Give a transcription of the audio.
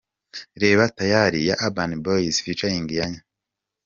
Reba Tayali ya Urban Boyz ft Iyanya.